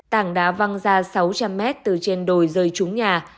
tảng đá văng ra sáu trăm linh mét từ trên đồi rơi trúng nhà